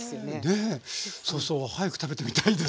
ねえそうそう早く食べてみたいです。